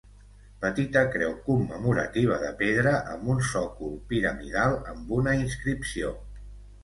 Petita creu commemorativa de pedra, amb un sòcol piramidal amb una inscripció.